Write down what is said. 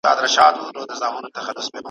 له قرنونو له پېړیو لا لهانده سرګردان دی ,